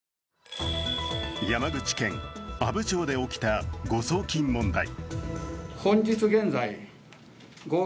山口県阿武町で起きた誤送金問題。